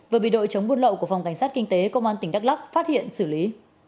vừa bị đội chống buôn lậu của phòng cảnh sát kinh tế công an tỉnh đắk lắc phát hiện xử lý